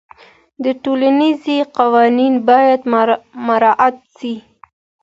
د ټولني قوانین باید مراعات سي.